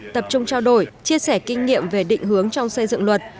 tập trung trao đổi chia sẻ kinh nghiệm về định hướng trong xây dựng luật